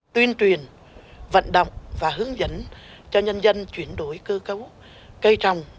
tuyên truyền vận động và hướng dẫn cho nhân dân chuyển đổi cơ cấu cây trồng